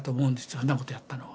そんなことやったのは。